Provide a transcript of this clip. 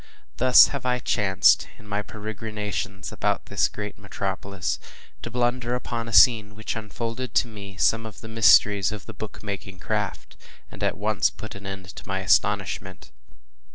Thus have I chanced, in my peregrinations about this great metropolis, to blunder upon a scene which unfolded to me some of the mysteries of the book making craft, and at once put an end to my astonishment.